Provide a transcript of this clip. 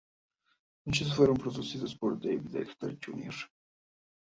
Muchos fueron producidos por Dave Dexter, Jr.